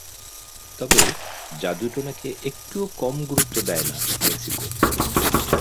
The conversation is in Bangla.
তবে জাদু টোনাকে একটুও কম গুরুত্ব দেয় না মেক্সিকো।